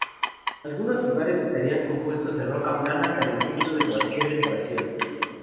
Algunos lugares estarían compuestos de roca plana, careciendo de cualquier decoración.